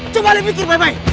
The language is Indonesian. coba ali pikir baik baik